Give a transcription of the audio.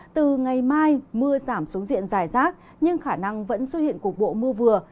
từ ngày mai mưa giảm xuống diện dài rác nhưng khả năng vẫn xuất hiện cục bộ mưa vừa